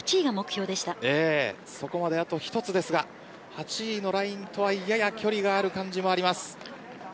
そこまであと１つですが８位のラインとやや距離がある感じもします。